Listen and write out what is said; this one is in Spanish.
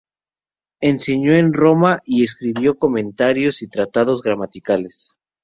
Enseñó en Roma, y escribió comentarios y tratados gramaticales.